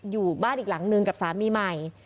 อยู่บ้านอีกหลังนึงกับสามีใหม่